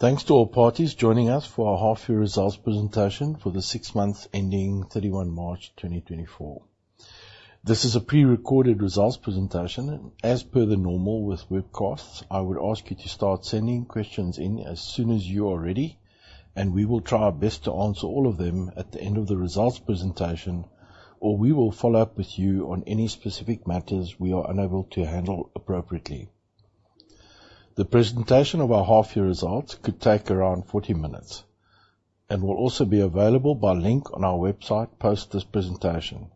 Thanks to all parties joining us for our half-year results presentation for the six months ending 31 March 2024. This is a prerecorded results presentation, and as per the normal with webcasts, I would ask you to start sending questions in as soon as you are ready, and we will try our best to answer all of them at the end of the results presentation, or we will follow up with you on any specific matters we are unable to handle appropriately. The presentation of our half-year results could take around 40 minutes and will also be available by link on our website post this presentation.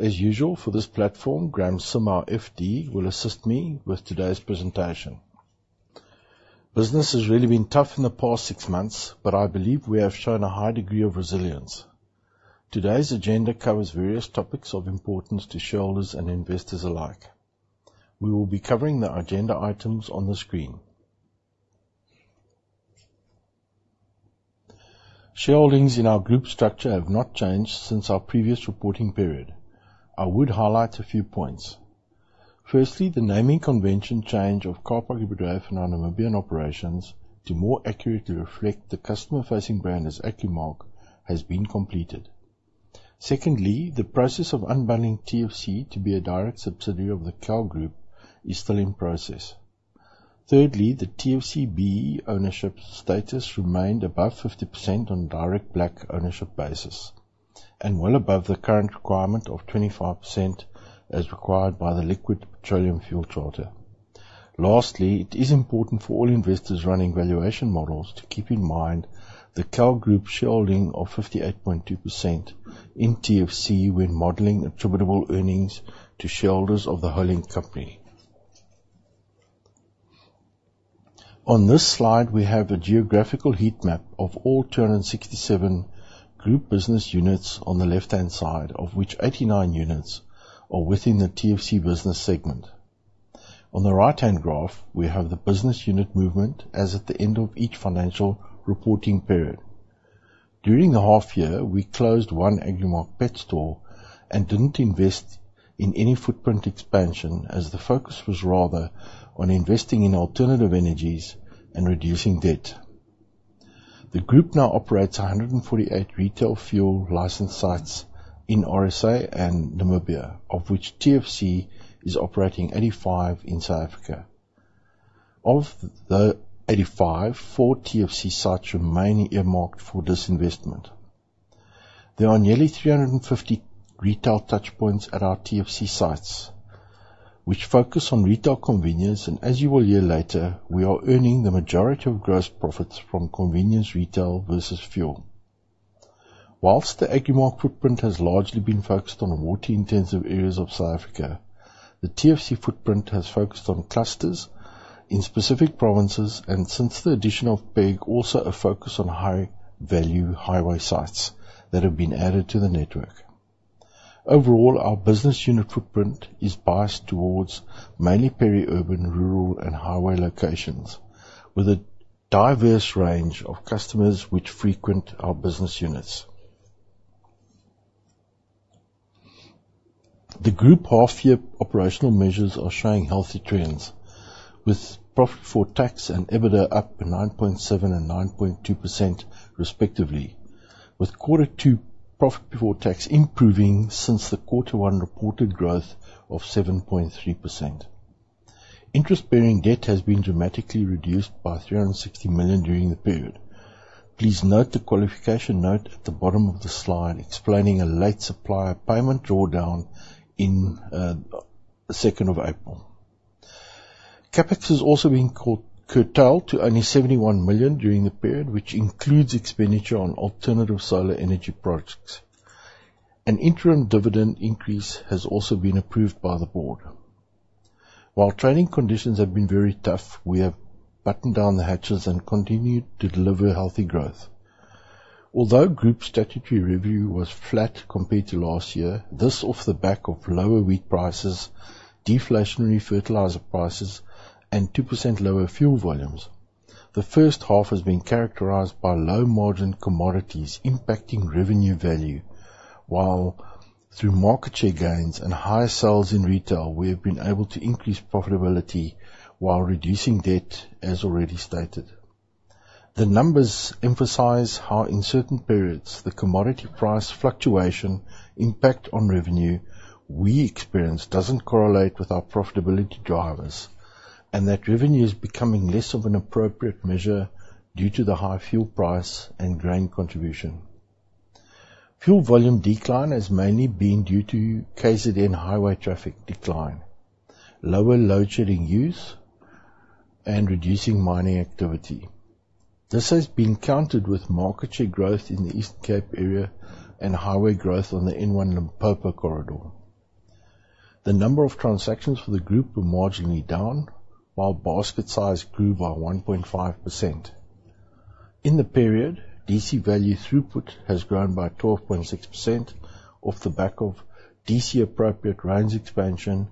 As usual for this platform, Graeme Sim, our FD, will assist me with today's presentation. Business has really been tough in the past six months, but I believe we have shown a high degree of resilience. Today's agenda covers various topics of importance to shareholders and investors alike. We will be covering the agenda items on the screen. Shareholdings in our group structure have not changed since our previous reporting period. I would highlight a few points. Firstly, the naming convention change of Kaap Agri Bedryf and Kaap Agri Namibia Operations to more accurately reflect the customer-facing brand as Agrimark has been completed. Secondly, the process of unbundling TFC to be a direct subsidiary of the KAL Group is still in process. Thirdly, the TFC BEE ownership status remained above 50% on direct black ownership basis and well above the current requirement of 25% as required by the Liquid Fuels Charter. Lastly, it is important for all investors running valuation models to keep in mind the KAL Group shareholding of 58.2% in TFC when modeling attributable earnings to shareholders of the holding company. On this slide, we have a geographical heat map of all 267 group business units on the left-hand side, of which 89 units are within the TFC business segment. On the right-hand graph, we have the business unit movement as at the end of each financial reporting period. During the half-year, we closed 1 Agrimark pet store and didn't invest in any footprint expansion, as the focus was rather on investing in alternative energies and reducing debt. The group now operates 148 retail fuel licensed sites in RSA and Namibia, of which TFC is operating 85 in South Africa. Of the 85, four TFC sites remain earmarked for disinvestment. There are nearly 350 retail touchpoints at our TFC sites, which focus on retail convenience, and as you will hear later, we are earning the majority of gross profits from convenience retail versus fuel. While the Agrimark footprint has largely been focused on water-intensive areas of South Africa, the TFC footprint has focused on clusters in specific provinces, and since the addition of PEG, also a focus on high-value highway sites that have been added to the network. Overall, our business unit footprint is biased towards mainly peri-urban, rural, and highway locations, with a diverse range of customers which frequent our business units. The group half-year operational measures are showing healthy trends, with profit before tax and EBITDA up 9.7% and 9.2% respectively, with quarter two profit before tax improving since the quarter one reported growth of 7.3%. Interest-bearing debt has been dramatically reduced by 360 million during the period. Please note the qualification note at the bottom of the slide explaining a late supplier payment drawdown on the 2nd of April. CapEx has also been curtailed to only 71 million during the period, which includes expenditure on alternative solar energy products. An interim dividend increase has also been approved by the board. While training conditions have been very tough, we have buttoned down the hatches and continued to deliver healthy growth. Although group statutory revenue was flat compared to last year, this off the back of lower wheat prices, deflationary fertilizer prices, and 2% lower fuel volumes, the first half has been characterized by low-margin commodities impacting revenue value, while through market share gains and higher sales in retail, we have been able to increase profitability while reducing debt, as already stated. The numbers emphasize how in certain periods the commodity price fluctuation impact on revenue we experience doesn't correlate with our profitability drivers, and that revenue is becoming less of an appropriate measure due to the high fuel price and grain contribution. Fuel volume decline has mainly been due to KZN highway traffic decline, lower load-shedding use, and reducing mining activity. This has been countered with market share growth in the Eastern Cape area and highway growth on the N1 Limpopo corridor. The number of transactions for the group were marginally down, while basket size grew by 1.5%. In the period, DC value throughput has grown by 12.6% off the back of DC-appropriate range expansion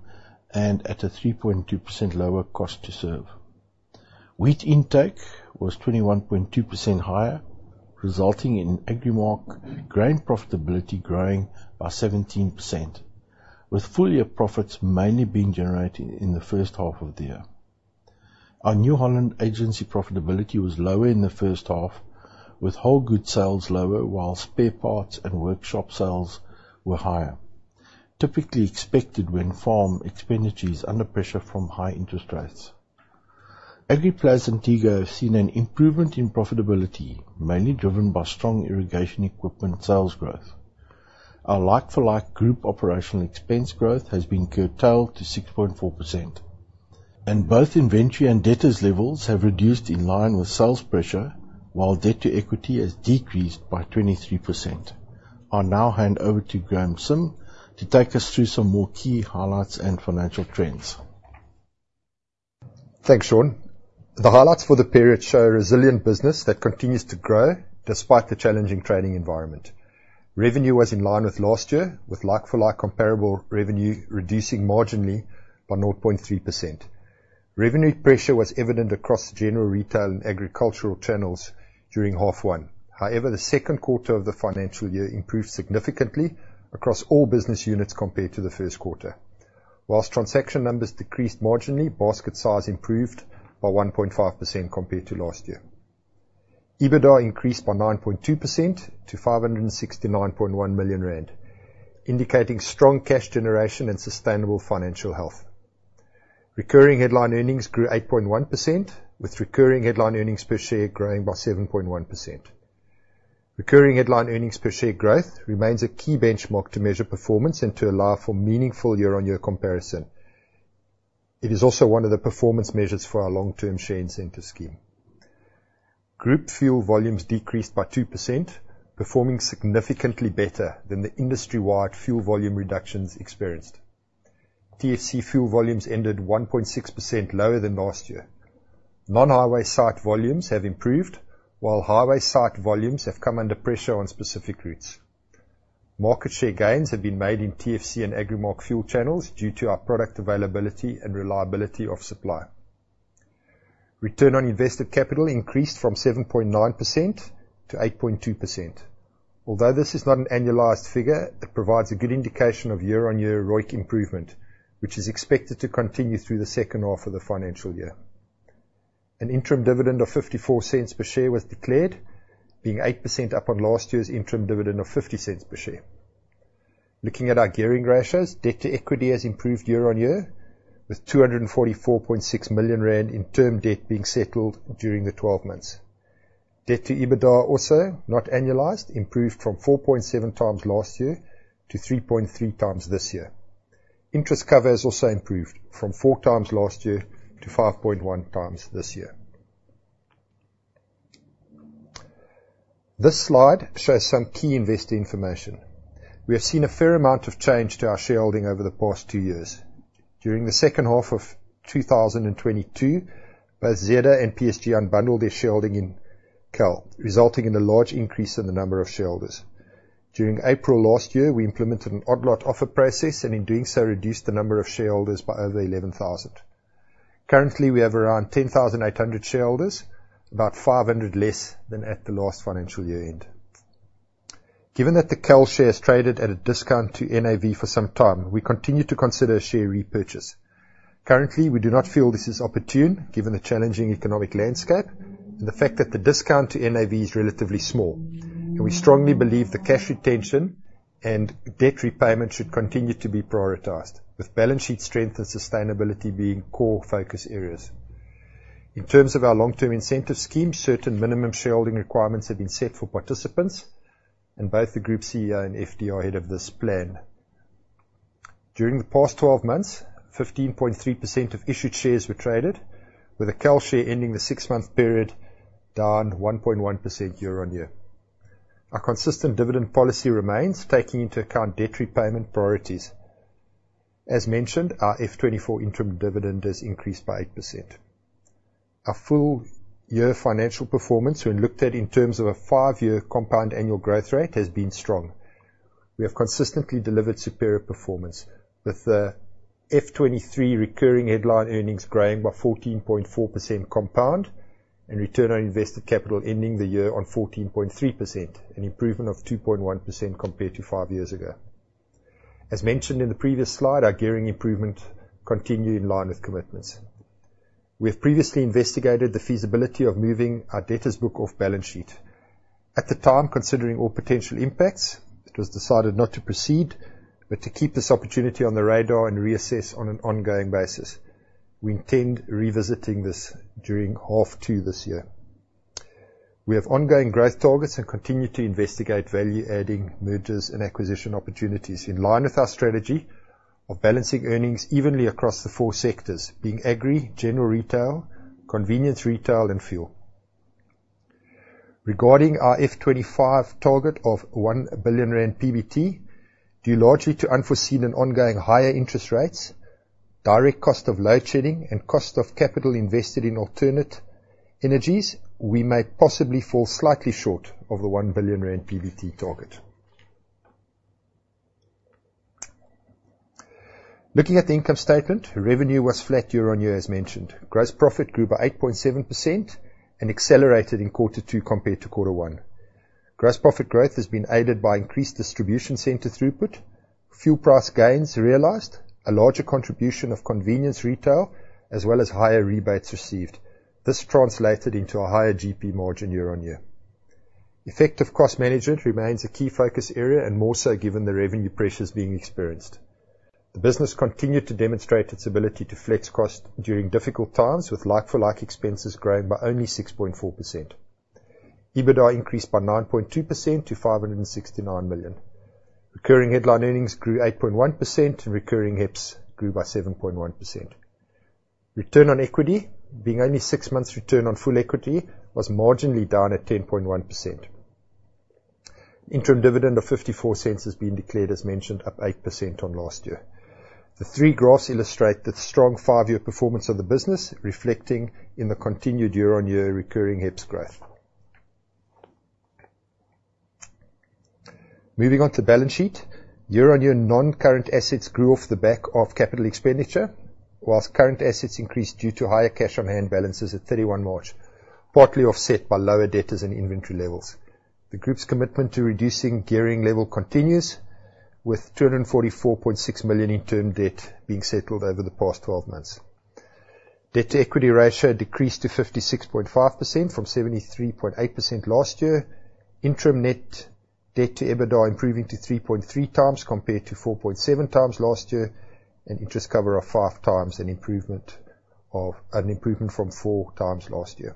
and at a 3.2% lower cost to serve. Wheat intake was 21.2% higher, resulting in Agrimark grain profitability growing by 17%, with full-year profits mainly being generated in the first half of the year. Our New Holland agency profitability was lower in the first half, with whole goods sales lower while spare parts and workshop sales were higher, typically expected when farm expenditures under pressure from high interest rates. Agriplas and TEGO have seen an improvement in profitability, mainly driven by strong irrigation equipment sales growth. Our like-for-like group operational expense growth has been curtailed to 6.4%, and both inventory and debtors levels have reduced in line with sales pressure, while debt-to-equity has decreased by 23%. I'll now hand over to Graeme Sim to take us through some more key highlights and financial trends. Thanks, Sean. The highlights for the period show a resilient business that continues to grow despite the challenging trading environment. Revenue was in line with last year, with like-for-like comparable revenue reducing marginally by 0.3%. Revenue pressure was evident across general retail and agricultural channels during half one. However, the second quarter of the financial year improved significantly across all business units compared to the first quarter. While transaction numbers decreased marginally, basket size improved by 1.5% compared to last year. EBITDA increased by 9.2% to 569.1 million rand, indicating strong cash generation and sustainable financial health. Recurring headline earnings grew 8.1%, with recurring headline earnings per share growing by 7.1%. Recurring headline earnings per share growth remains a key benchmark to measure performance and to allow for meaningful year-on-year comparison. It is also one of the performance measures for our long-term incentive scheme. Group fuel volumes decreased by 2%, performing significantly better than the industry-wide fuel volume reductions experienced. TFC fuel volumes ended 1.6% lower than last year. Non-highway site volumes have improved, while highway site volumes have come under pressure on specific routes. Market share gains have been made in TFC and Agrimark fuel channels due to our product availability and reliability of supply. Return on invested capital increased from 7.9% to 8.2%. Although this is not an annualized figure, it provides a good indication of year-on-year ROIC improvement, which is expected to continue through the second half of the financial year. An interim dividend of 0.54 per share was declared, being 8% up on last year's interim dividend of 0.50 per share. Looking at our gearing ratios, debt-to-equity has improved year-on-year, with 244.6 million rand in term debt being settled during the 12 months. Debt to EBITDA also, not annualized, improved from 4.7x last year to 3.3x this year. Interest cover has also improved from 4x last year to 5.1x this year. This slide shows some key investor information. We have seen a fair amount of change to our shareholding over the past two years. During the second half of 2022, both Zeder and PSG unbundled their shareholding in KAL, resulting in a large increase in the number of shareholders. During April last year, we implemented an odd-lot offer process and in doing so reduced the number of shareholders by over 11,000. Currently, we have around 10,800 shareholders, about 500 less than at the last financial year end. Given that the KAL share has traded at a discount to NAV for some time, we continue to consider a share repurchase. Currently, we do not feel this is opportune given the challenging economic landscape and the fact that the discount to NAV is relatively small, and we strongly believe the cash retention and debt repayment should continue to be prioritised, with balance sheet strength and sustainability being core focus areas. In terms of our long-term incentive scheme, certain minimum shareholding requirements have been set for participants, and both the group CEO and FD are ahead of this plan. During the past 12 months, 15.3% of issued shares were traded, with a KAL share ending the six-month period down 1.1% year-on-year. Our consistent dividend policy remains, taking into account debt repayment priorities. As mentioned, our F24 interim dividend has increased by 8%. Our full-year financial performance, when looked at in terms of a five-year compound annual growth rate, has been strong. We have consistently delivered superior performance, with the F23 recurring headline earnings growing by 14.4% compound and return on invested capital ending the year on 14.3%, an improvement of 2.1% compared to five years ago. As mentioned in the previous slide, our gearing improvement continued in line with commitments. We have previously investigated the feasibility of moving our debtors' book off balance sheet. At the time, considering all potential impacts, it was decided not to proceed but to keep this opportunity on the radar and reassess on an ongoing basis. We intend revisiting this during half two this year. We have ongoing growth targets and continue to investigate value-adding mergers and acquisition opportunities in line with our strategy of balancing earnings evenly across the four sectors, being agri, general retail, convenience retail, and fuel. Regarding our F25 target of 1 billion rand PBT, due largely to unforeseen and ongoing higher interest rates, direct cost of load-shedding, and cost of capital invested in alternate energies, we may possibly fall slightly short of the 1 billion rand PBT target. Looking at the income statement, revenue was flat year-on-year, as mentioned. Gross profit grew by 8.7% and accelerated in quarter two compared to quarter one. Gross profit growth has been aided by increased distribution centre throughput, fuel price gains realised, a larger contribution of convenience retail, as well as higher rebates received. This translated into a higher GP margin year-on-year. Effective cost management remains a key focus area, and more so given the revenue pressures being experienced. The business continued to demonstrate its ability to flex cost during difficult times, with like-for-like expenses growing by only 6.4%. EBITDA increased by 9.2% to 569 million. Recurring headline earnings grew 8.1%, and recurring HEPS grew by 7.1%. Return on equity, being only six months return on full equity, was marginally down at 10.1%. Interim dividend of 0.54 has been declared, as mentioned, up 8% on last year. The three graphs illustrate the strong five-year performance of the business, reflecting in the continued year-on-year recurring HEPS growth. Moving on to balance sheet, year-on-year non-current assets grew off the back of capital expenditure, while current assets increased due to higher cash-on-hand balances at 31 March, partly offset by lower debtors and inventory levels. The group's commitment to reducing gearing level continues, with 244.6 million in term debt being settled over the past 12 months. Debt-to-equity ratio decreased to 56.5% from 73.8% last year, interim net debt to EBITDA improving to 3.3x compared to 4.7x last year, and interest cover of 5x an improvement from 4x last year.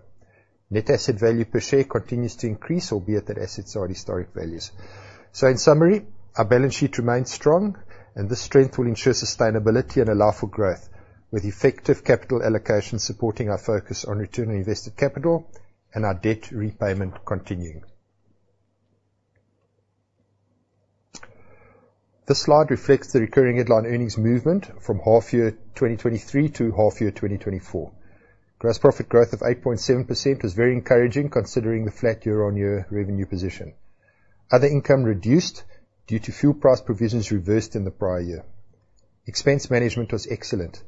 Net asset value per share continues to increase, albeit at assets at historic values. So in summary, our balance sheet remains strong, and this strength will ensure sustainability and allow for growth, with effective capital allocation supporting our focus on return on invested capital and our debt repayment continuing. This slide reflects the recurring headline earnings movement from half year 2023 to half year 2024. Gross profit growth of 8.7% was very encouraging considering the flat year-on-year revenue position. Other income reduced due to fuel price provisions reversed in the prior year. Expense management was excellent,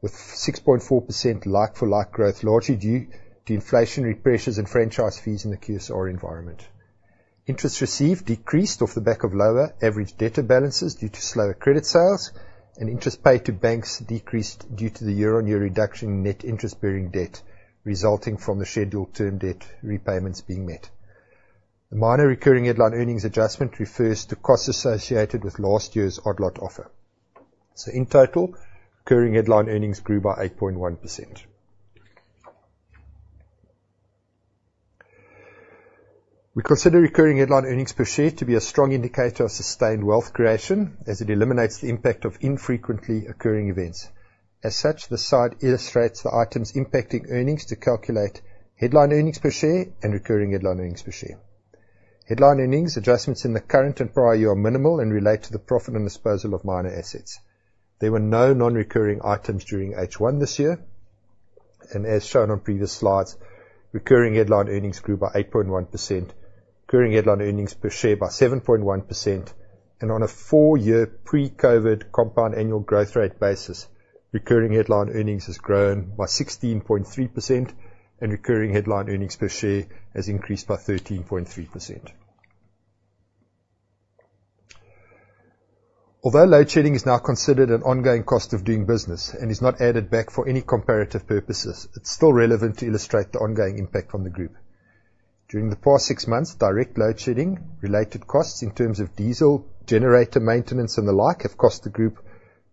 with 6.4% like-for-like growth largely due to inflationary pressures and franchise fees in the QSR environment. Interest received decreased off the back of lower average debtor balances due to slower credit sales, and interest paid to banks decreased due to the year-on-year reduction in net interest-bearing debt, resulting from the scheduled term debt repayments being met. The minor recurring headline earnings adjustment refers to costs associated with last year's odd-lot offer. So in total, recurring headline earnings grew by 8.1%. We consider recurring headline earnings per share to be a strong indicator of sustained wealth creation, as it eliminates the impact of infrequently occurring events. As such, the slide illustrates the items impacting earnings to calculate headline earnings per share and recurring headline earnings per share. Headline earnings adjustments in the current and prior year are minimal and relate to the profit and disposal of minor assets. There were no non-recurring items during H1 this year, and as shown on previous slides, recurring headline earnings grew by 8.1%, recurring headline earnings per share by 7.1%, and on a four-year pre-COVID compound annual growth rate basis, recurring headline earnings has grown by 16.3%, and recurring headline earnings per share has increased by 13.3%. Although load-shedding is now considered an ongoing cost of doing business and is not added back for any comparative purposes, it's still relevant to illustrate the ongoing impact on the group. During the past six months, direct load-shedding-related costs in terms of diesel, generator maintenance, and the like have cost the group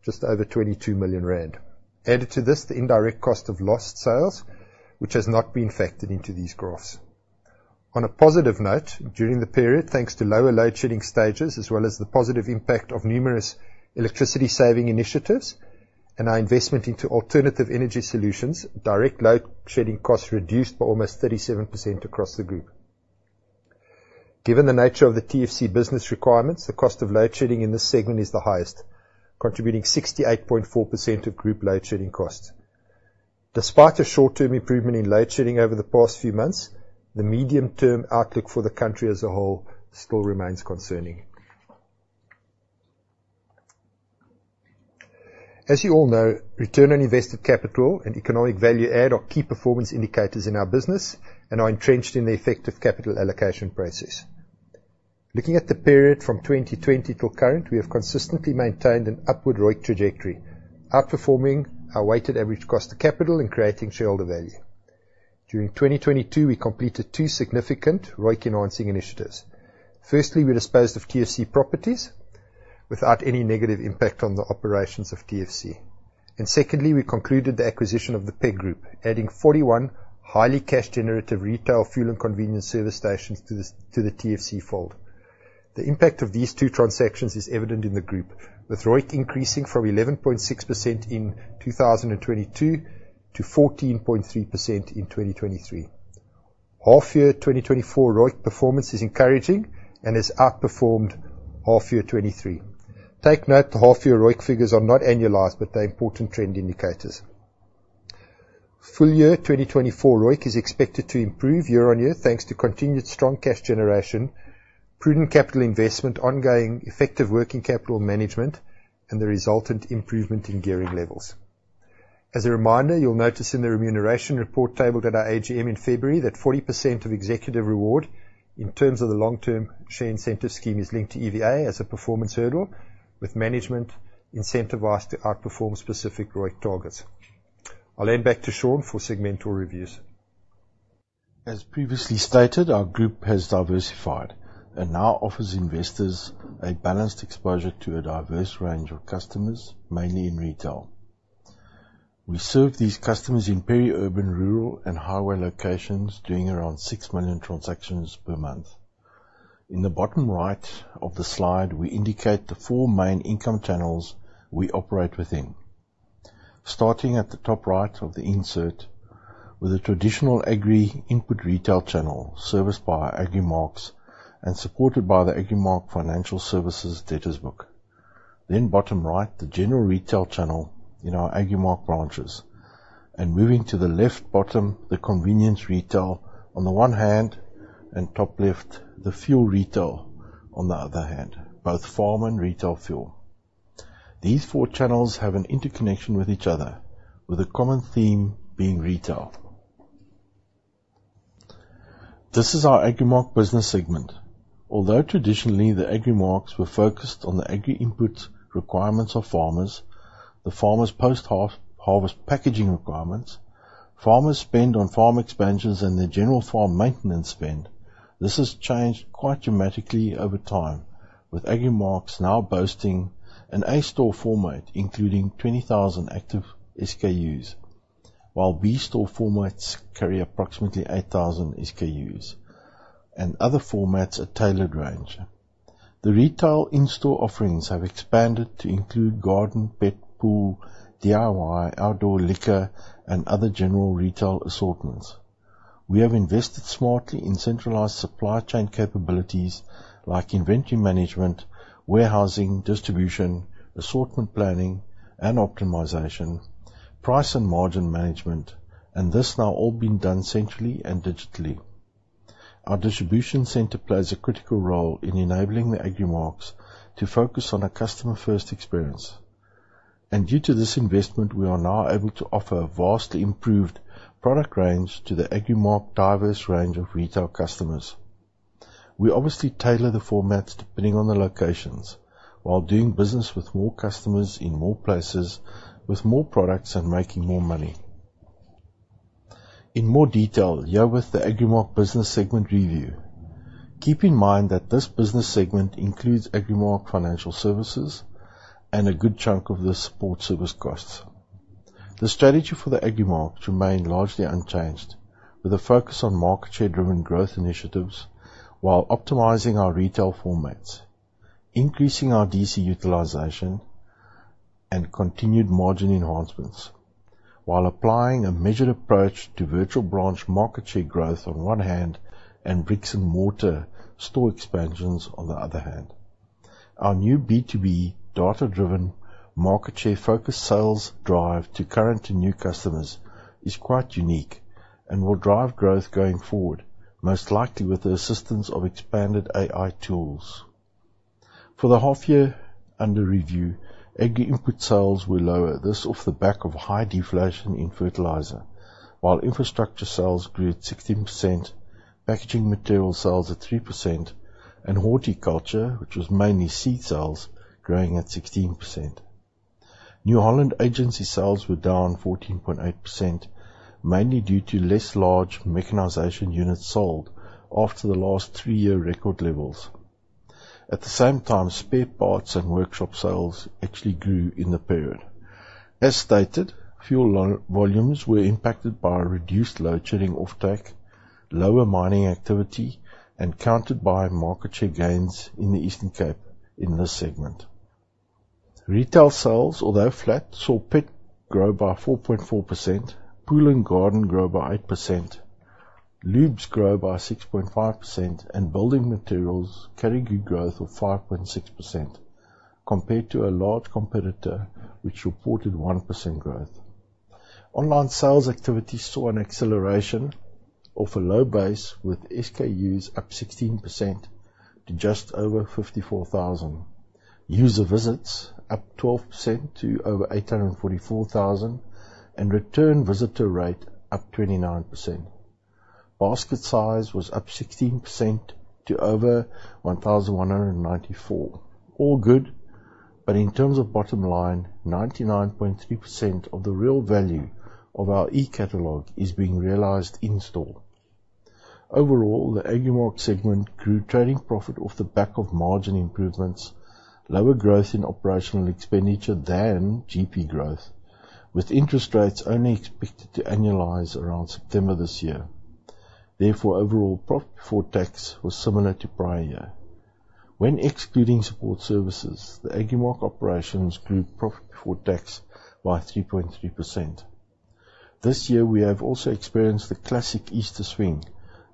just over 22 million rand. Added to this, the indirect cost of lost sales, which has not been factored into these graphs. On a positive note, during the period, thanks to lower load-shedding stages as well as the positive impact of numerous electricity-saving initiatives and our investment into alternative energy solutions, direct load-shedding costs reduced by almost 37% across the group. Given the nature of the TFC business requirements, the cost of load-shedding in this segment is the highest, contributing 68.4% of group load-shedding costs. Despite a short-term improvement in load-shedding over the past few months, the medium-term outlook for the country as a whole still remains concerning. As you all know, return on invested capital and economic value add are key performance indicators in our business, and are entrenched in the effective capital allocation process. Looking at the period from 2020 till current, we have consistently maintained an upward ROIC trajectory, outperforming our weighted average cost of capital and creating shareholder value. During 2022, we completed two significant ROIC-enhancing initiatives. Firstly, we disposed of TFC properties without any negative impact on the operations of TFC. And secondly, we concluded the acquisition of the PEG Group, adding 41 highly cash-generative retail fuel and convenience service stations to the TFC fold. The impact of these two transactions is evident in the group, with ROIC increasing from 11.6% in 2022 to 14.3% in 2023. Half year 2024 ROIC performance is encouraging and has outperformed half year 2023. Take note the half year ROIC figures are not annualized, but they're important trend indicators. Full year 2024 ROIC is expected to improve year-on-year thanks to continued strong cash generation, prudent capital investment, ongoing effective working capital management, and the resultant improvement in gearing levels. As a reminder, you'll notice in the remuneration report tabled at our AGM in February that 40% of executive reward in terms of the long-term share incentive scheme is linked to EVA as a performance hurdle, with management incentivized to outperform specific ROIC targets. I'll hand back to Sean for segmental reviews. As previously stated, our group has diversified and now offers investors a balanced exposure to a diverse range of customers, mainly in retail. We serve these customers in peri-urban, rural, and highway locations, doing around 6,000,000 transactions per month. In the bottom right of the slide, we indicate the four main income channels we operate within. Starting at the top right of the insert with a traditional agri input retail channel serviced by Agrimark and supported by the Agrimark Financial Services debtors' book. Then bottom right, the general retail channel in our Agrimark branches. Moving to the left bottom, the convenience retail on the one hand, and top left, the fuel retail on the other hand, both farm and retail fuel. These four channels have an interconnection with each other, with a common theme being retail. This is our Agrimark business segment. Although traditionally the Agrimarks were focused on the agri input requirements of farmers, the farmers' post-harvest packaging requirements, farmers' spend on farm expansions, and their general farm maintenance spend, this has changed quite dramatically over time, with Agrimarks now boasting an A-store format including 20,000 active SKUs, while B-store formats carry approximately 8,000 SKUs, and other formats a tailored range. The retail in-store offerings have expanded to include garden, pet, pool, DIY, outdoor liquor, and other general retail assortments. We have invested smartly in centralized supply chain capabilities like inventory management, warehousing, distribution, assortment planning, and optimization, price and margin management, and this now all been done centrally and digitally. Our distribution centre plays a critical role in enabling the Agrimark's to focus on a customer-first experience. Due to this investment, we are now able to offer a vastly improved product range to the Agrimark's diverse range of retail customers. We obviously tailor the formats depending on the locations, while doing business with more customers in more places, with more products, and making more money. In more detail, here with the Agrimark business segment review. Keep in mind that this business segment includes Agrimark Financial Services and a good chunk of the support service costs. The strategy for the Agrimark remains largely unchanged, with a focus on market share-driven growth initiatives while optimizing our retail formats, increasing our DC utilization, and continued margin enhancements, while applying a measured approach to virtual branch market share growth on one hand and brick-and-mortar store expansions on the other hand. Our new B2B data-driven market share focus sales drive to current and new customers is quite unique and will drive growth going forward, most likely with the assistance of expanded AI tools. For the half year under review, agri input sales were lower, this off the back of high deflation in fertilizer, while infrastructure sales grew at 16%, packaging material sales at 3%, and horticulture, which was mainly seed sales, growing at 16%. New Holland agency sales were down 14.8%, mainly due to less large mechanization units sold after the last three-year record levels. At the same time, spare parts and workshop sales actually grew in the period. As stated, fuel volumes were impacted by reduced load-shedding offtake, lower mining activity, and countered by market share gains in the Eastern Cape in this segment. Retail sales, although flat, saw pet grow by 4.4%, pool and garden grow by 8%, lubes grow by 6.5%, and building materials carry good growth of 5.6% compared to a large competitor which reported 1% growth. Online sales activity saw an acceleration off a low base with SKUs up 16% to just over 54,000, user visits up 12% to over 844,000, and return visitor rate up 29%. Basket size was up 16% to over 1,194. All good, but in terms of bottom line, 99.3% of the real value of our e-catalogue is being realized in-store. Overall, the Agrimark segment grew trading profit off the back of margin improvements, lower growth in operational expenditure than GP growth, with interest rates only expected to annualize around September this year. Therefore, overall profit before tax was similar to prior year. When excluding support services, the Agrimark operations grew profit before tax by 3.3%. This year, we have also experienced the classic Easter swing,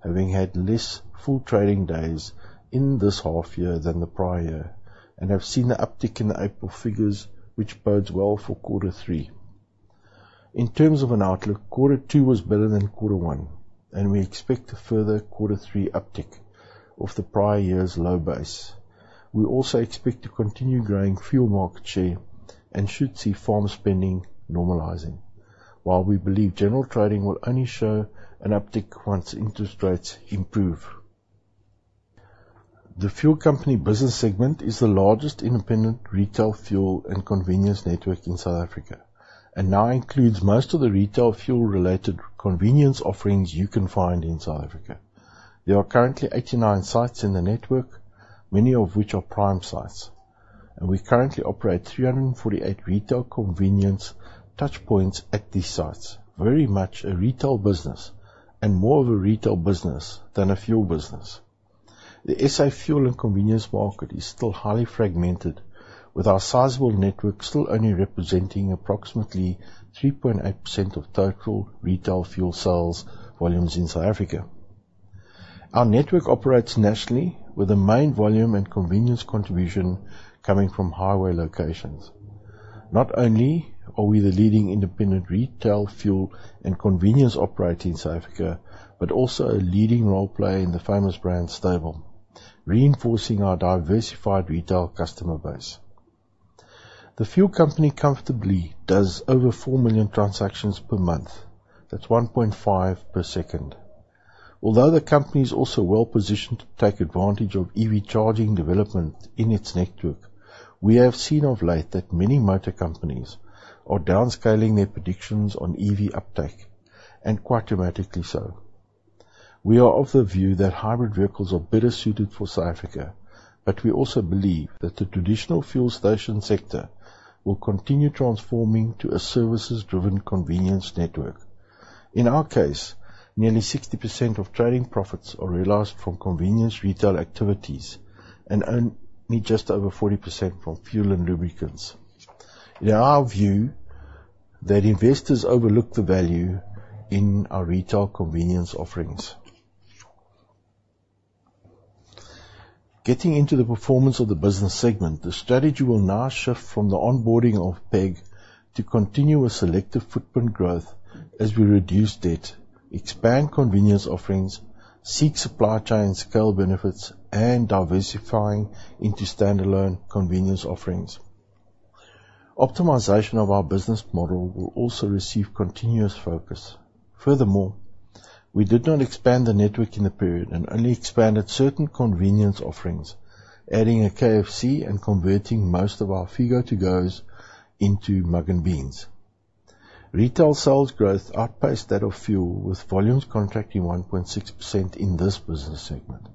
having had less full trading days in this half year than the prior year and have seen the uptick in the April figures, which bodes well for quarter three. In terms of an outlook, quarter two was better than quarter one, and we expect a further quarter three uptick off the prior year's low base. We also expect to continue growing fuel market share and should see farm spending normalizing, while we believe general trading will only show an uptick once interest rates improve. The Fuel Company business segment is the largest independent retail fuel and convenience network in South Africa and now includes most of the retail fuel-related convenience offerings you can find in South Africa. There are currently 89 sites in the network, many of which are prime sites, and we currently operate 348 retail convenience touchpoints at these sites, very much a retail business and more of a retail business than a fuel business. The SA fuel and convenience market is still highly fragmented, with our sizable network still only representing approximately 3.8% of total retail fuel sales volumes in South Africa. Our network operates nationally, with the main volume and convenience contribution coming from highway locations. Not only are we the leading independent retail fuel and convenience operator in South Africa, but also a leading role player in the Famous Brands stable, reinforcing our diversified retail customer base. The fuel company comfortably does over 4,000,000 transactions per month. That's 1.5 per second. Although the company is also well positioned to take advantage of EV charging development in its network, we have seen of late that many motor companies are downscaling their predictions on EV uptake and quite dramatically so. We are of the view that hybrid vehicles are better suited for South Africa, but we also believe that the traditional fuel station sector will continue transforming to a services-driven convenience network. In our case, nearly 60% of trading profits are realized from convenience retail activities and only just over 40% from fuel and lubricants. In our view, that investors overlook the value in our retail convenience offerings. Getting into the performance of the business segment, the strategy will now shift from the onboarding of PEG to continue a selective footprint growth as we reduce debt, expand convenience offerings, seek supply chain scale benefits, and diversify into standalone convenience offerings. Optimization of our business model will also receive continuous focus. Furthermore, we did not expand the network in the period and only expanded certain convenience offerings, adding a KFC and converting most of our Fego Caffés into Mugg & Beans. Retail sales growth outpaced that of fuel, with volumes contracting 1.6% in this business segment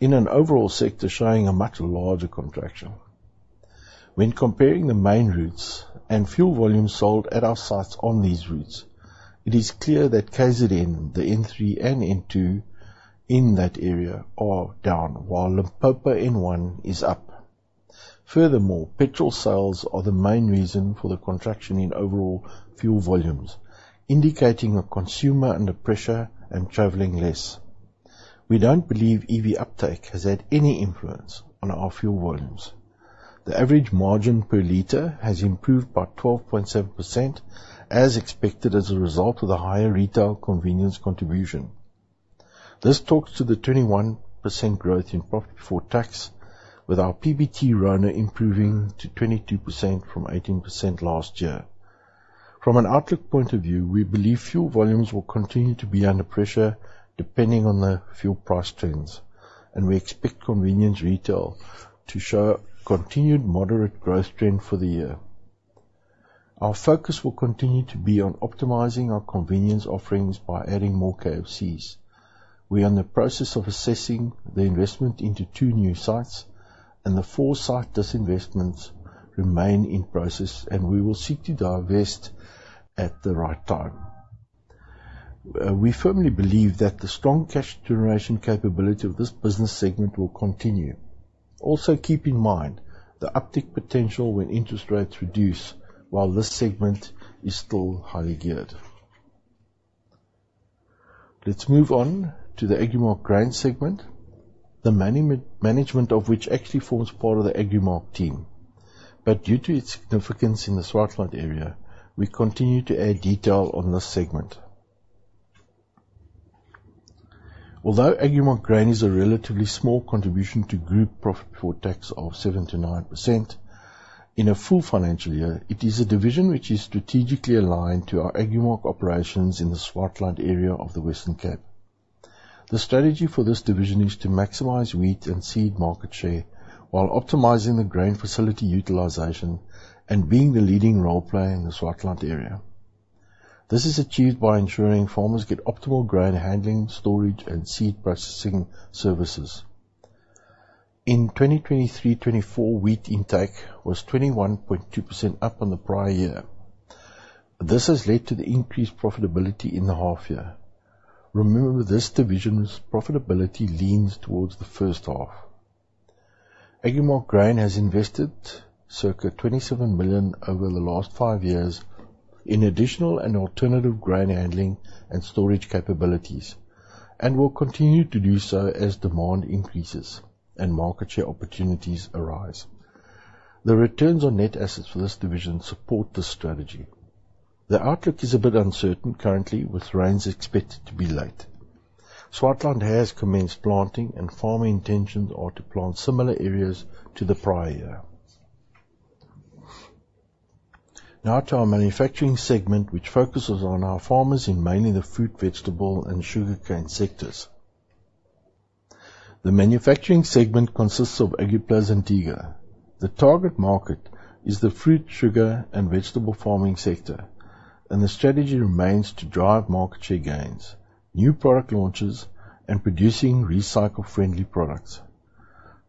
in an overall sector showing a much larger contraction. When comparing the main routes and fuel volumes sold at our sites on these routes, it is clear that KZN, the N3 and N2 in that area are down, while Limpopo N1 is up. Furthermore, petrol sales are the main reason for the contraction in overall fuel volumes, indicating a consumer under pressure and traveling less. We don't believe EV uptake has had any influence on our fuel volumes. The average margin per liter has improved by 12.7% as expected as a result of the higher retail convenience contribution. This talks to the 21% growth in profit before tax, with our PBT return improving to 22% from 18% last year. From an outlook point of view, we believe fuel volumes will continue to be under pressure depending on the fuel price trends, and we expect convenience retail to show a continued moderate growth trend for the year. Our focus will continue to be on optimizing our convenience offerings by adding more KFCs. We are in the process of assessing the investment into 2 new sites, and the 4 site disinvestments remain in process, and we will seek to divest at the right time. We firmly believe that the strong cash generation capability of this business segment will continue. Also, keep in mind the uptick potential when interest rates reduce, while this segment is still highly geared. Let's move on to the Agrimark Grain segment, the management of which actually forms part of the Agrimark team. But due to its significance in the Swartland area, we continue to add detail on this segment. Although Agrimark Grain is a relatively small contribution to group profit before tax of 7%-9% in a full financial year, it is a division which is strategically aligned to our Agrimark operations in the Swartland area of the Western Cape. The strategy for this division is to maximize wheat and seed market share while optimizing the grain facility utilization and being the leading role player in the Swartland area. This is achieved by ensuring farmers get optimal grain handling, storage, and seed processing services. In 2023/24, wheat intake was 21.2% up on the prior year. This has led to the increased profitability in the half year. Remember, this division's profitability leans towards the first half. Agrimark Grain has invested circa 27 million over the last five years in additional and alternative grain handling and storage capabilities and will continue to do so as demand increases and market share opportunities arise. The returns on net assets for this division support this strategy. The outlook is a bit uncertain currently, with rains expected to be late. Swartland has commenced planting, and farming intentions are to plant similar areas to the prior year. Now to our manufacturing segment, which focuses on our farmers in mainly the fruit, vegetable, and sugarcane sectors. The manufacturing segment consists of Agriplas and TEGO. The target market is the fruit, sugar, and vegetable farming sector, and the strategy remains to drive market share gains, new product launches, and producing recycle-friendly products.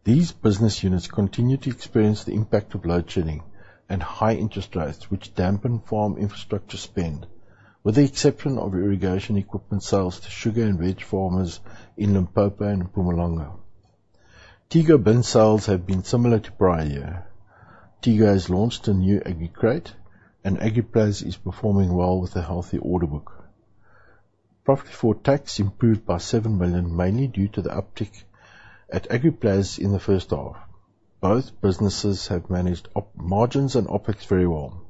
These business units continue to experience the impact of load-shedding and high interest rates, which dampen farm infrastructure spend, with the exception of irrigation equipment sales to sugar and veg farmers in Limpopo and Mpumalanga. TEGO bin sales have been similar to prior year. TEGO has launched a new AgriCrate, and Agriplas is performing well with a healthy order book. Profit before tax improved by 7 million, mainly due to the uptick at Agriplas in the first half. Both businesses have managed margins and OpEx very well.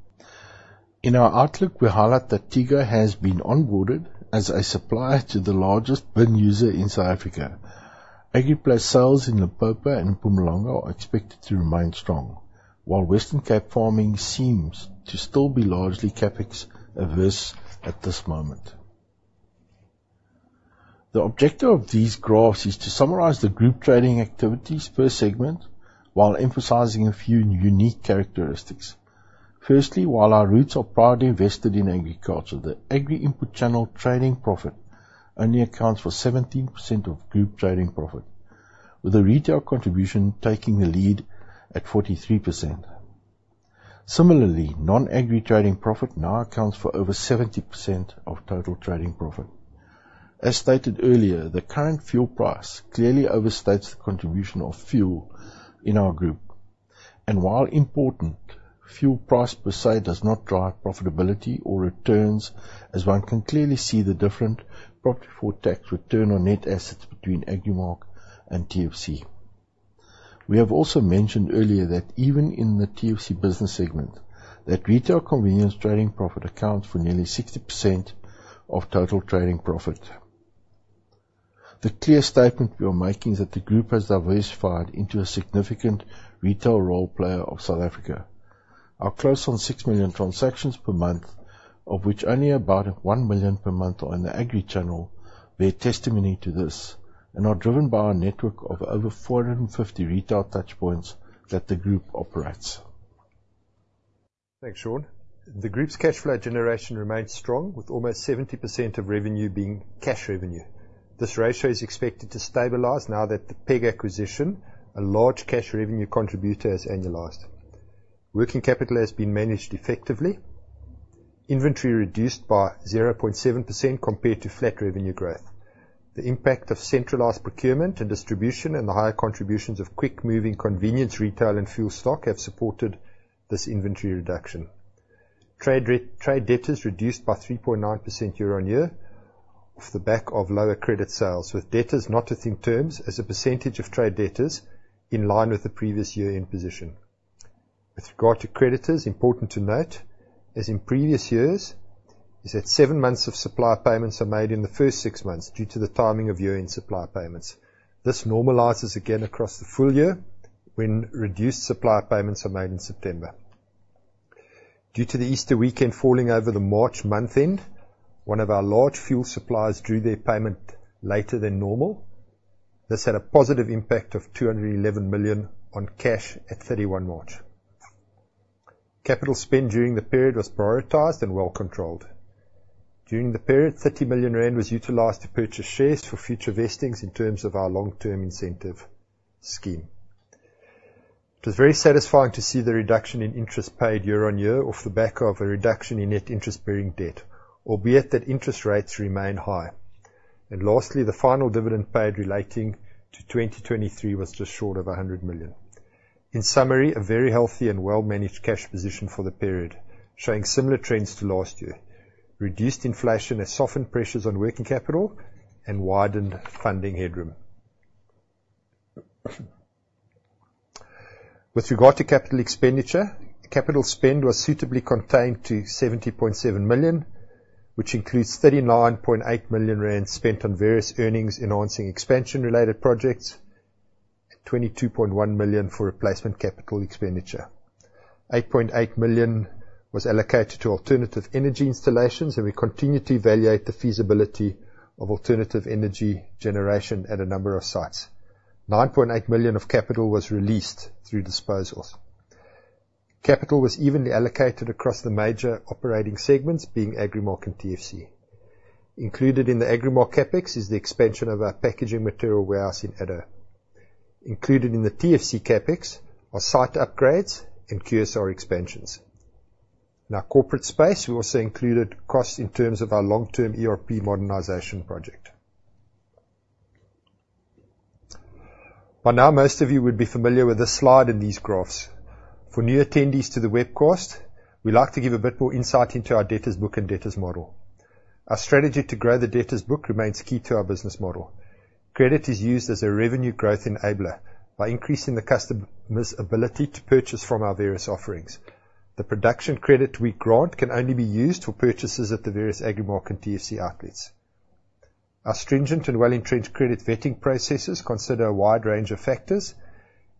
In our outlook, we highlight that TEGO has been onboarded as a supplier to the largest bin user in South Africa. Agriplas sales in Limpopo and Mpumalanga are expected to remain strong, while Western Cape farming seems to still be largely CapEx averse at this moment. The objective of these graphs is to summarize the group trading activities per segment while emphasizing a few unique characteristics. Firstly, while our roots are primarily invested in agriculture, the Agri Input Channel trading profit only accounts for 17% of group trading profit, with the retail contribution taking the lead at 43%. Similarly, non-Agri trading profit now accounts for over 70% of total trading profit. As stated earlier, the current fuel price clearly overstates the contribution of fuel in our group, and while important, fuel price per se does not drive profitability or returns, as one can clearly see the different profit before tax return on net assets between Agrimark and TFC. We have also mentioned earlier that even in the TFC business segment, that retail convenience trading profit accounts for nearly 60% of total trading profit. The clear statement we are making is that the group has diversified into a significant retail role player of South Africa. Our close on 6,000,000 transactions per month, of which only about 1,000,000 per month are in the Agri Channel, bear testimony to this and are driven by our network of over 450 retail touchpoints that the group operates. Thanks, Sean. The group's cash flow generation remains strong, with almost 70% of revenue being cash revenue. This ratio is expected to stabilize now that the PEG acquisition, a large cash revenue contributor, has annualized. Working capital has been managed effectively, inventory reduced by 0.7% compared to flat revenue growth. The impact of centralized procurement and distribution and the higher contributions of quick-moving convenience retail and fuel stock have supported this inventory reduction. Trade debtors reduced by 3.9% year-on-year off the back of lower credit sales, with debtors not exceeding terms as a percentage of trade debtors in line with the previous year-end position. With regard to creditors, important to note as in previous years is that seven months of supply payments are made in the first six months due to the timing of year-end supply payments. This normalizes again across the full year when reduced supply payments are made in September. Due to the Easter weekend falling over the March month-end, one of our large fuel suppliers drew their payment later than normal. This had a positive impact of 211 million on cash at 31 March. Capital spend during the period was prioritised and well controlled. During the period, 30 million rand was utilised to purchase shares for future vestings in terms of our long-term incentive scheme. It was very satisfying to see the reduction in interest paid year-on-year off the back of a reduction in net interest-bearing debt, albeit that interest rates remain high. And lastly, the final dividend paid relating to 2023 was just short of 100 million. In summary, a very healthy and well-managed cash position for the period showing similar trends to last year, reduced inflation has softened pressures on working capital and widened funding headroom. With regard to capital expenditure, capital spend was suitably contained to 70.7 million, which includes 39.8 million rand spent on various earnings-enhancing expansion-related projects and 22.1 million for replacement capital expenditure. 8.8 million was allocated to alternative energy installations, and we continue to evaluate the feasibility of alternative energy generation at a number of sites. 9.8 million of capital was released through disposals. Capital was evenly allocated across the major operating segments, being Agrimark and TFC. Included in the Agrimark CapEx is the expansion of our packaging material warehouse in Addo. Included in the TFC CapEx are site upgrades and QSR expansions. In our corporate space, we also included costs in terms of our long-term ERP modernization project. By now, most of you would be familiar with this slide and these graphs. For new attendees to the webcast, we like to give a bit more insight into our debtors' book and debtors' model. Our strategy to grow the debtors' book remains key to our business model. Credit is used as a revenue growth enabler by increasing the customer's ability to purchase from our various offerings. The production credit we grant can only be used for purchases at the various Agrimark and TFC outlets. Our stringent and well-entrenched credit vetting processes consider a wide range of factors,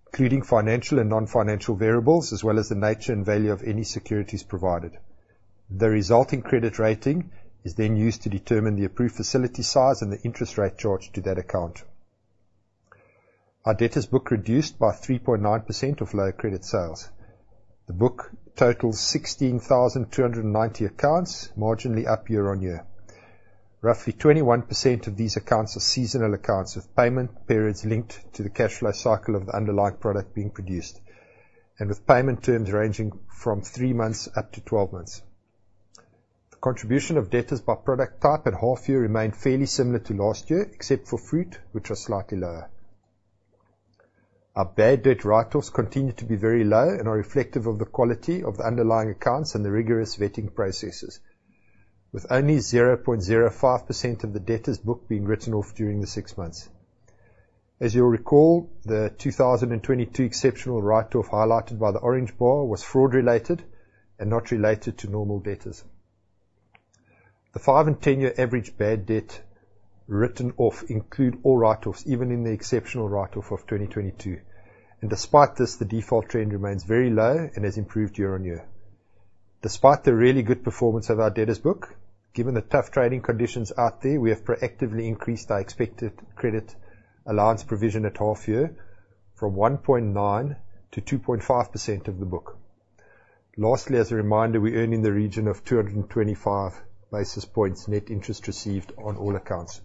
including financial and non-financial variables, as well as the nature and value of any securities provided. The resulting credit rating is then used to determine the approved facility size and the interest rate charged to that account. Our debtors' book reduced by 3.9% of lower credit sales. The book totals 16,290 accounts, marginally up year-on-year. Roughly 21% of these accounts are seasonal accounts with payment periods linked to the cash flow cycle of the underlying product being produced, and with payment terms ranging from 3 months up to 12 months. The contribution of debtors by product type and half year remained fairly similar to last year, except for fruit, which are slightly lower. Our bad debt write-offs continue to be very low and are reflective of the quality of the underlying accounts and the rigorous vetting processes, with only 0.05% of the debtors' book being written off during the 6 months. As you'll recall, the 2022 exceptional write-off highlighted by the orange bar was fraud-related and not related to normal debtors. The 5- and 10-year average bad debt written off include all write-offs, even in the exceptional write-off of 2022. Despite this, the default trend remains very low and has improved year-on-year. Despite the really good performance of our debtors' book, given the tough trading conditions out there, we have proactively increased our expected credit allowance provision at half year from 1.9% to 2.5% of the book. Lastly, as a reminder, we earn in the region of 225 basis points net interest received on all accounts.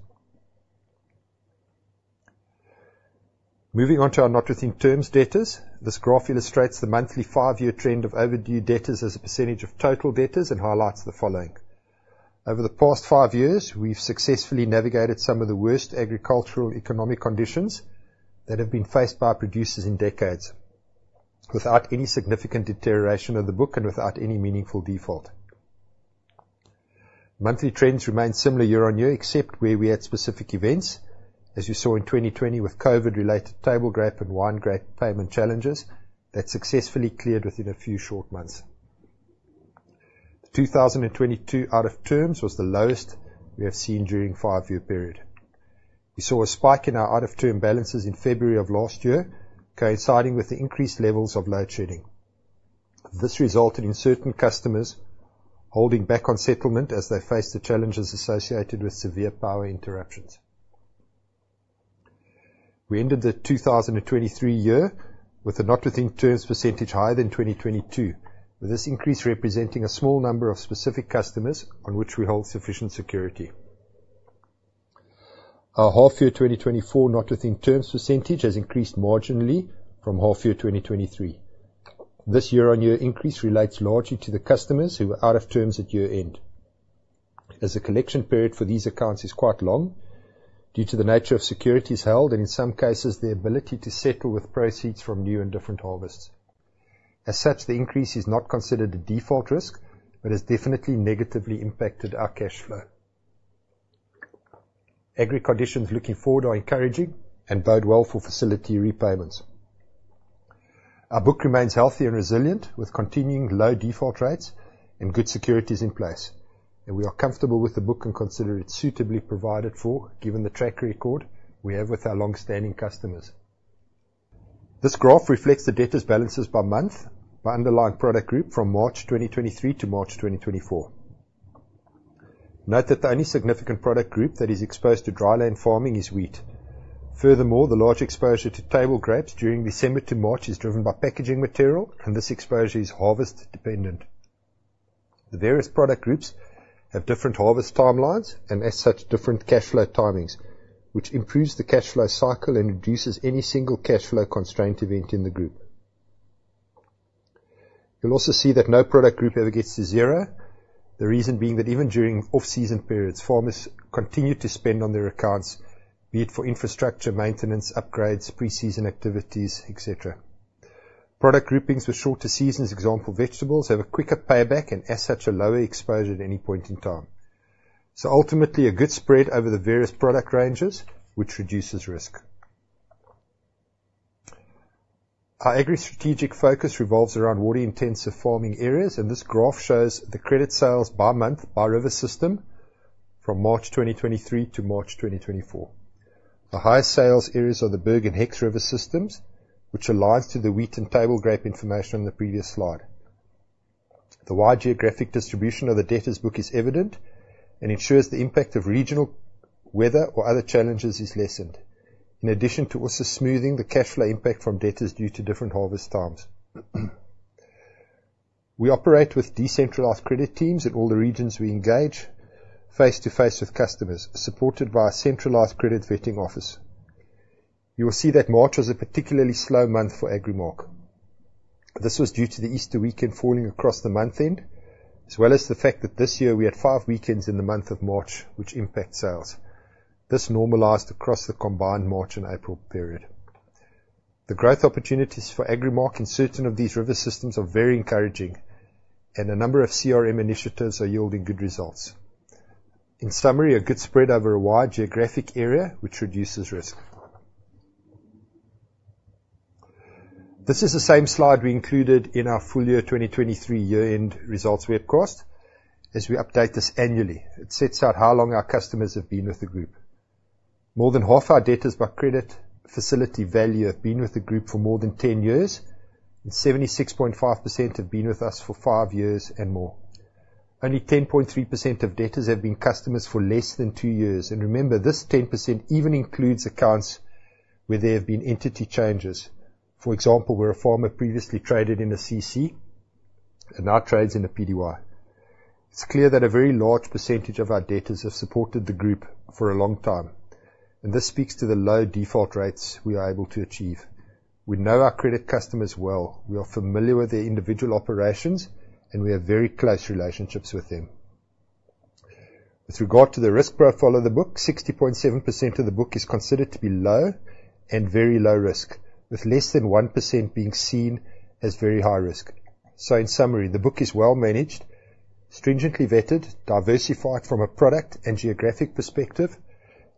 Moving on to our net trade terms debtors, this graph illustrates the monthly five-year trend of overdue debtors as a percentage of total debtors and highlights the following. Over the past five years, we've successfully navigated some of the worst agricultural economic conditions that have been faced by producers in decades, without any significant deterioration of the book and without any meaningful default. Monthly trends remain similar year-on-year, except where we had specific events, as you saw in 2020 with COVID-related table grape and wine grape payment challenges that successfully cleared within a few short months. The 2022 out-of-terms was the lowest we have seen during five-year period. We saw a spike in our out-of-term balances in February of last year, coinciding with the increased levels of load-shedding. This resulted in certain customers holding back on settlement as they faced the challenges associated with severe power interruptions. We ended the 2023 year with an out-of-terms percentage higher than 2022, with this increase representing a small number of specific customers on which we hold sufficient security. Our half-year 2024 out-of-terms percentage has increased marginally from half-year 2023. This year-on-year increase relates largely to the customers who were out of terms at year-end. As the collection period for these accounts is quite long due to the nature of securities held and in some cases their ability to settle with proceeds from new and different harvests, as such, the increase is not considered a default risk but has definitely negatively impacted our cash flow. Agri conditions looking forward are encouraging and bode well for facility repayments. Our book remains healthy and resilient with continuing low default rates and good securities in place, and we are comfortable with the book and consider it suitably provided for given the track record we have with our longstanding customers. This graph reflects the debtors' balances by month by underlying product group from March 2023 to March 2024. Note that the only significant product group that is exposed to dry land farming is wheat. Furthermore, the large exposure to table grapes during December to March is driven by packaging material, and this exposure is harvest-dependent. The various product groups have different harvest timelines and, as such, different cash flow timings, which improves the cash flow cycle and reduces any single cash flow constraint event in the group. You'll also see that no product group ever gets to zero, the reason being that even during off-season periods, farmers continue to spend on their accounts, be it for infrastructure maintenance, upgrades, pre-season activities, etc. Product groupings with shorter seasons, example vegetables, have a quicker payback and, as such, a lower exposure at any point in time. So ultimately, a good spread over the various product ranges, which reduces risk. Our agri-strategic focus revolves around water-intensive farming areas, and this graph shows the credit sales by month by river system from March 2023 to March 2024. The highest sales areas are the Berg River and Hex River systems, which aligns to the wheat and table grape information on the previous slide. The wide geographic distribution of the debtors' book is evident and ensures the impact of regional weather or other challenges is lessened, in addition to also smoothing the cash flow impact from debtors due to different harvest times. We operate with decentralized credit teams in all the regions we engage, face to face with customers, supported by a centralized credit vetting office. You will see that March was a particularly slow month for Agrimark. This was due to the Easter weekend falling across the month-end, as well as the fact that this year we had five weekends in the month of March, which impact sales. This normalized across the combined March and April period. The growth opportunities for Agrimark in certain of these river systems are very encouraging, and a number of CRM initiatives are yielding good results. In summary, a good spread over a wide geographic area, which reduces risk. This is the same slide we included in our full-year 2023 year-end results webcast. As we update this annually, it sets out how long our customers have been with the group. More than half our debtors by credit facility value have been with the group for more than 10 years, and 76.5% have been with us for five years and more. Only 10.3% of debtors have been customers for less than two years. And remember, this 10% even includes accounts where there have been entity changes. For example, where a farmer previously traded in a CC and now trades in a Pty. It's clear that a very large percentage of our debtors have supported the group for a long time, and this speaks to the low default rates we are able to achieve. We know our credit customers well. We are familiar with their individual operations, and we have very close relationships with them. With regard to the risk profile of the book, 60.7% of the book is considered to be low and very low risk, with less than 1% being seen as very high risk. So in summary, the book is well-managed, stringently vetted, diversified from a product and geographic perspective,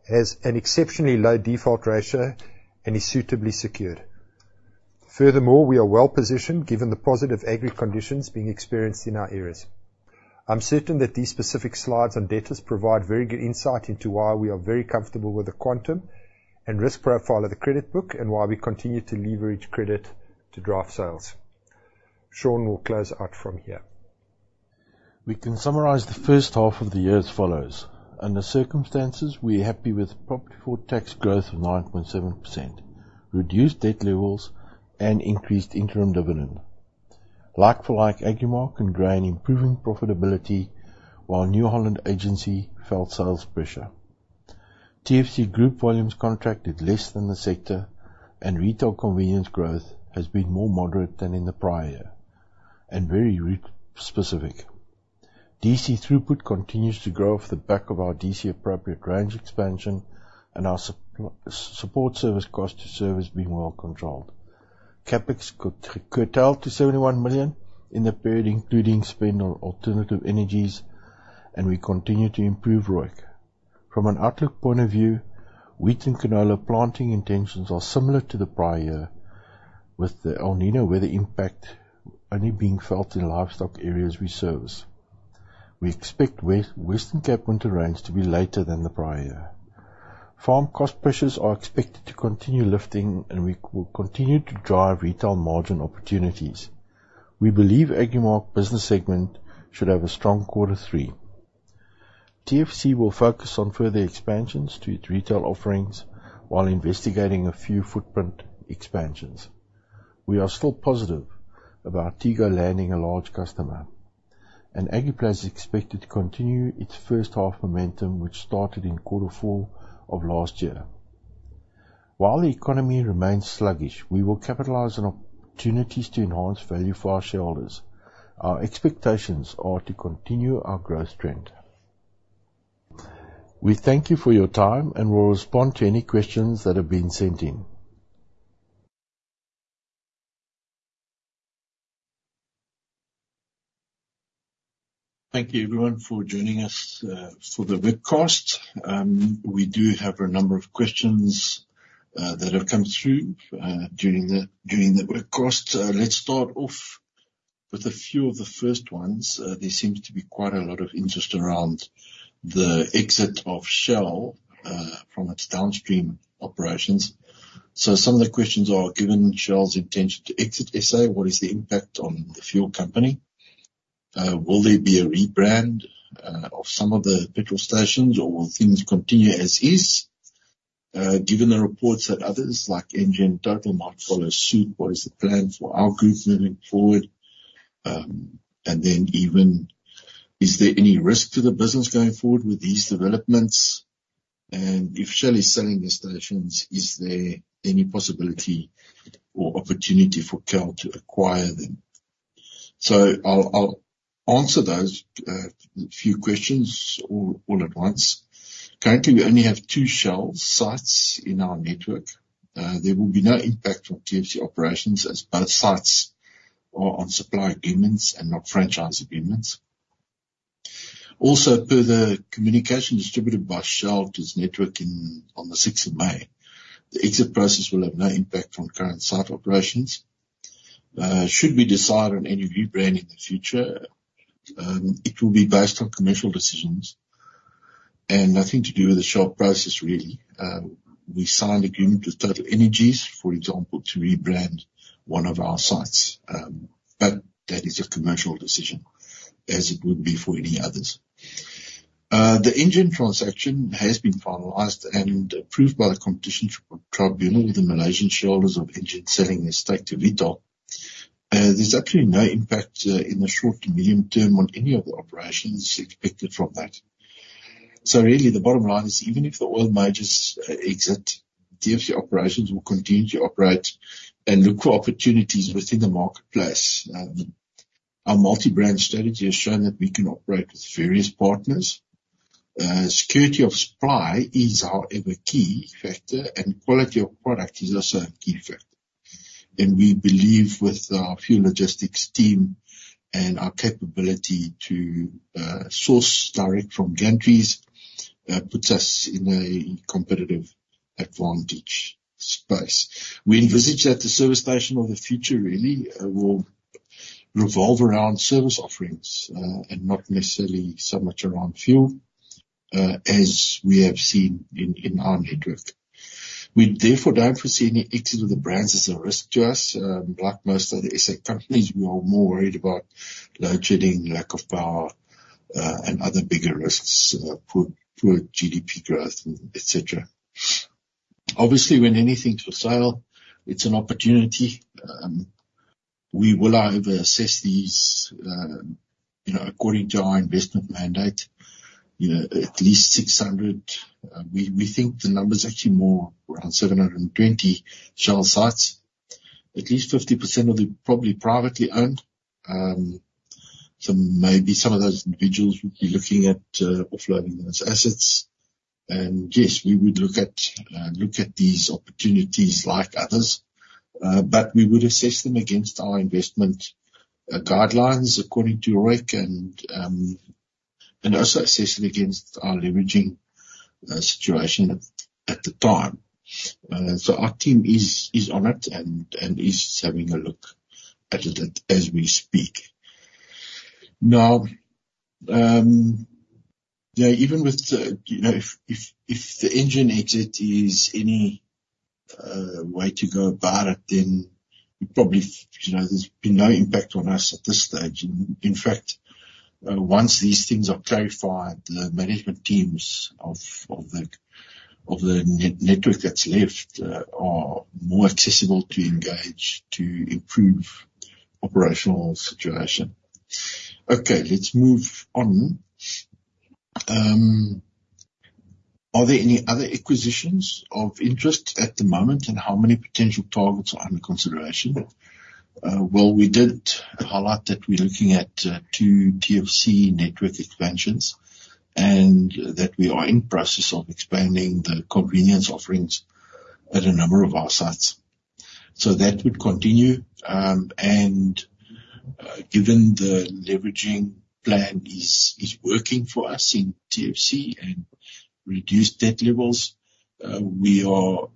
has an exceptionally low default ratio, and is suitably secured. Furthermore, we are well-positioned given the positive agri conditions being experienced in our areas. I'm certain that these specific slides on debtors provide very good insight into why we are very comfortable with the quantum and risk profile of the credit book and why we continue to leverage credit to drive sales. Sean will close out from here. We can summarize the first half of the year as follows. Under the circumstances, we are happy with profit-before-tax growth of 9.7%, reduced debt levels, and increased interim dividend. Like-for-like Agrimark and Grain improving profitability while New Holland agency felt sales pressure. TFC Group volumes contracted less than the sector, and retail convenience growth has been more moderate than in the prior year and very specific. DC throughput continues to grow off the back of our DC's appropriate range expansion and our support services cost to serve being well-controlled. CapEx curtailed to 71 million in the period including spend on alternative energies, and we continue to improve ROIC. From an outlook point of view, wheat and canola planting intentions are similar to the prior year, with the El Niño weather impact only being felt in livestock areas we service. We expect Western Cape winter rain to be later than the prior year. Farm cost pressures are expected to continue lifting, and we will continue to drive retail margin opportunities. We believe Agrimark business segment should have a strong quarter three. TFC will focus on further expansions to its retail offerings while investigating a few footprint expansions. We are still positive about TEGO landing a large customer, and Agriplas is expected to continue its first half momentum, which started in quarter four of last year. While the economy remains sluggish, we will capitalize on opportunities to enhance value for our shareholders. Our expectations are to continue our growth trend. We thank you for your time, and we'll respond to any questions that have been sent in. Thank you, everyone, for joining us for the webcast. We do have a number of questions that have come through during the webcast. Let's start off with a few of the first ones. There seems to be quite a lot of interest around the exit of Shell from its downstream operations. So some of the questions are: Given Shell's intention to exit SA, what is the impact on the fuel company? Will there be a rebrand of some of the petrol stations, or will things continue as is? Given the reports that others like Engen and Total might follow suit, what is the plan for our group moving forward? And then even, is there any risk to the business going forward with these developments? And if Shell is selling the stations, is there any possibility or opportunity for KAL to acquire them? So I'll answer those few questions all at once. Currently, we only have two Shell sites in our network. There will be no impact on TFC operations as both sites are on supply agreements and not franchise agreements. Also, per the communication distributed by Shell to its network on the 6th of May, the exit process will have no impact on current site operations. Should we decide on any rebrand in the future? It will be based on commercial decisions and nothing to do with the Shell process, really. We signed agreement with TotalEnergies, for example, to rebrand one of our sites. But that is a commercial decision as it would be for any others. The Engen transaction has been finalized and approved by the Competition Tribunal with the Malaysian shareholders of Engen selling their stake to Vitol. There's actually no impact in the short to medium term on any of the operations expected from that. So really, the bottom line is even if the oil majors exit, TFC operations will continue to operate and look for opportunities within the marketplace. Our multi-brand strategy has shown that we can operate with various partners. Security of supply is, however, a key factor, and quality of product is also a key factor. And we believe with our fuel logistics team and our capability to source direct from gantries puts us in a competitive advantage space. We envisage that the service station of the future, really, will revolve around service offerings and not necessarily so much around fuel as we have seen in our network. We therefore don't foresee any exit of the brands as a risk to us. Like most other SA companies, we are more worried about load-shedding, lack of power, and other bigger risks for GDP growth, etc. Obviously, when anything's for sale, it's an opportunity. We will, however, assess these according to our investment mandate, at least 600. We think the number's actually more around 720 Shell sites. At least 50% will be probably privately owned. So maybe some of those individuals would be looking at offloading those assets. Yes, we would look at these opportunities like others, but we would assess them against our investment guidelines according to ROIC and also assess it against our leveraging situation at the time. So our team is on it and is having a look at it as we speak. Now, even with if the Engen exit is any way to go about it, then probably there's been no impact on us at this stage. In fact, once these things are clarified, the management teams of the network that's left are more accessible to engage to improve operational situation. Okay, let's move on. Are there any other acquisitions of interest at the moment, and how many potential targets are under consideration? Well, we did highlight that we're looking at two TFC network expansions and that we are in process of expanding the convenience offerings at a number of our sites. So that would continue. And given the leveraging plan is working for us in TFC and reduced debt levels, we are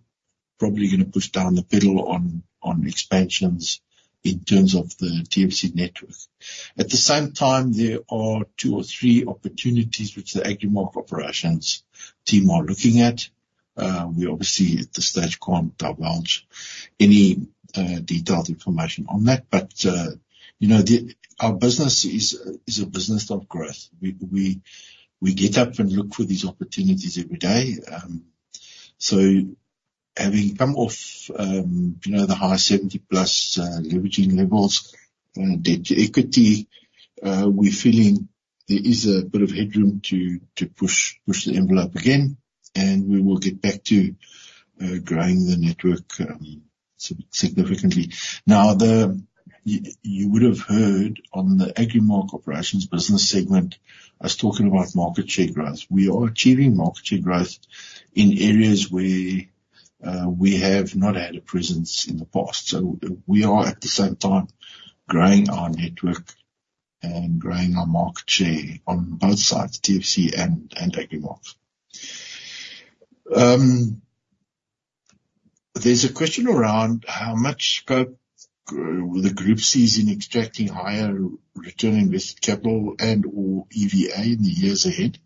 probably going to push down the pedal on expansions in terms of the TFC network. At the same time, there are two or three opportunities which the Agrimark operations team are looking at. We obviously, at this stage, can't divulge any detailed information on that. But our business is a business of growth. We get up and look for these opportunities every day. So having come off the high 70+ leveraging levels, debt-to-equity, we're feeling there is a bit of headroom to push the envelope again, and we will get back to growing the network significantly. Now, you would have heard on the Agrimark operations business segment, I was talking about market share growth. We are achieving market share growth in areas where we have not had a presence in the past. So we are, at the same time, growing our network and growing our market share on both sides, TFC and Agrimark. There's a question around how much scope the group sees in extracting higher return on invested capital and/or EVA in the years ahead.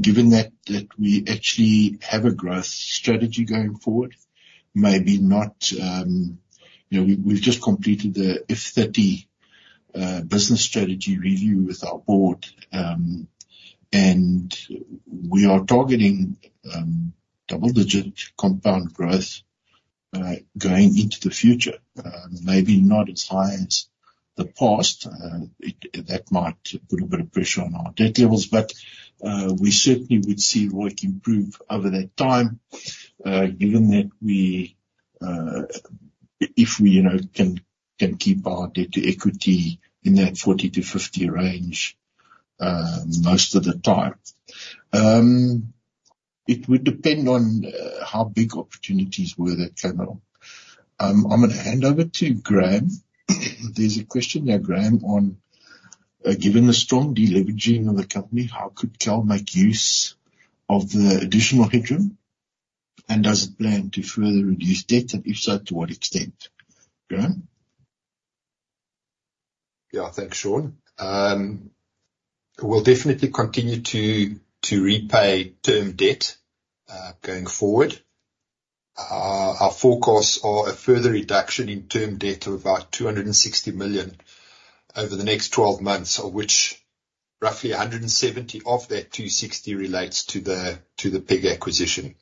Given that we actually have a growth strategy going forward, maybe now we've just completed the F30 business strategy review with our board, and we are targeting double-digit compound growth going into the future. Maybe not as high as the past. That might put a bit of pressure on our debt levels. But we certainly would see ROIC improve over that time given that if we can keep our debt-to-equity in that 40-50 range most of the time. It would depend on how big opportunities were that came along. I'm going to hand over to Graeme. There's a question now, Graeme, on given the strong deleveraging of the company, how could KAL make use of the additional headroom? And does it plan to further reduce debt, and if so, to what extent? Graeme? Yeah, thanks, Sean. We'll definitely continue to repay term debt going forward. Our forecasts are a further reduction in term debt of about 260 million over the next 12 months, of which roughly 170 million of that 260 million relates to the PEG acquisition.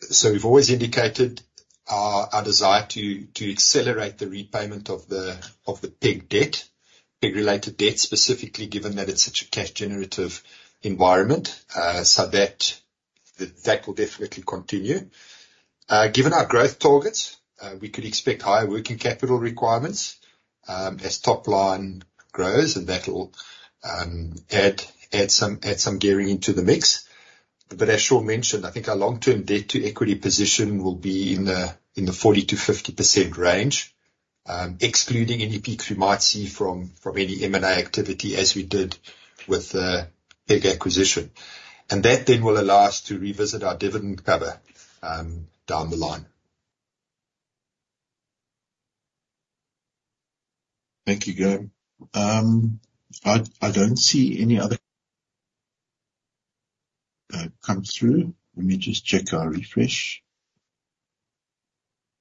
So we've always indicated our desire to accelerate the repayment of the PEG debt, PEG-related debt specifically, given that it's such a cash-generative environment. So that will definitely continue. Given our growth targets, we could expect higher working capital requirements as top line grows, and that will add some gearing into the mix. But as Sean mentioned, I think our long-term debt-to-equity position will be in the 40%-50% range, excluding any peaks we might see from any M&A activity as we did with the PEG acquisition. And that then will allow us to revisit our dividend cover down the line. Thank you, Graeme. I don't see any other come through. Let me just check our refresh.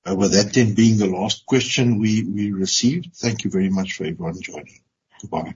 With that then being the last question we received, thank you very much for everyone joining. Goodbye.